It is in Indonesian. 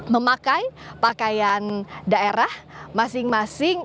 memakai pakaian daerah masing masing